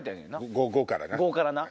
５からな。